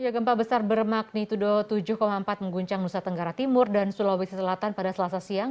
gempa besar bermagnitudo tujuh empat mengguncang nusa tenggara timur dan sulawesi selatan pada selasa siang